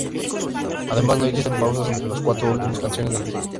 Además, no existen pausas entre las cuatro últimas canciones del disco.